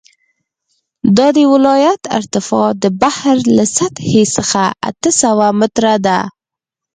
د دې ولایت ارتفاع د بحر له سطحې څخه اته سوه متره ده